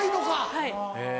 ⁉はい。